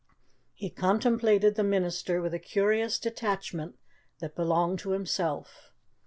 He contemplated the minister with a curious detachment that belonged to himself.